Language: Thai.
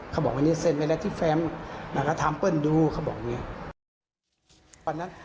เขาบอกวันนี้เซ็นไปแล้วที่แฟมก็ทำเปิ้ลดูเขาบอกอย่างนี้